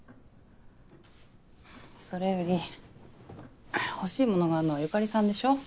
それより欲しいものがあるのは由香里さんでしょ？